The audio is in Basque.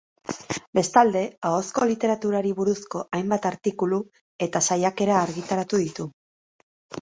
Bestalde, ahozko literaturari buruzko hainbat artikulu, eta saiakera argitaratu ditu.